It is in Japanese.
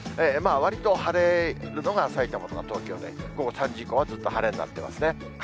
わりと晴れるのがさいたまと東京で、午後３時以降は、ずっと晴れになってますね。